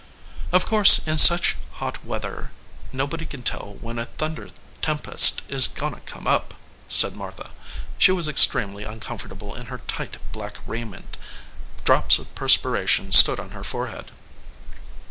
"Of course in such hot weather nobody can tell when a thunder tempest is goin to come up," said Martha. She was extremely uncomfortable in her tight black raiment. Drops of perspiration stood on her forehead.